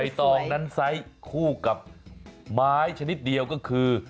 ตองนั้นไซส์คู่กับไม้ชนิดเดียวก็คือ